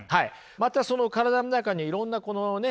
またその体の中にいろんなこのね